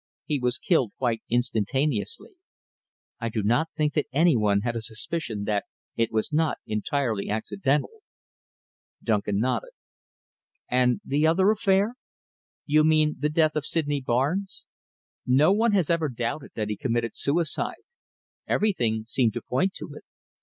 He was killed quite instantaneously. I do not think that any one had a suspicion that it was not entirely accidental." Duncan nodded. "And the other affair?" "You mean the death of Sydney Barnes? No one has ever doubted that he committed suicide. Everything seemed to point to it.